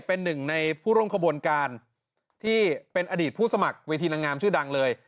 เป็นหนึ่งในผู้ร่วมขบวนการที่เป็นอดีตผู้สมัครเวทีนางงามชื่อดังเลย